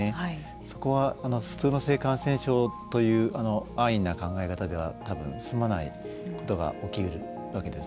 そこは、普通の性感染症という安易な考え方では多分済まないことが起きうるわけです。